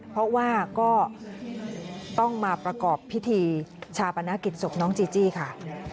เพราะว่าก็ต้องมาประกอบพิธีชาปนกิจศพน้องจีจี้ค่ะ